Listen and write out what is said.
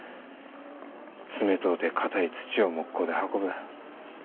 冷とうて硬い土をモッコで運ぶ。